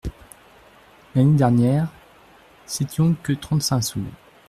L'année dernière, c'étions que trente-cinq sous.